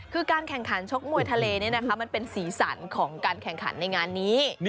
คือการแข่งขันชกมวยทะเลมันเป็นสีสันของการแข่งขันในงานนี้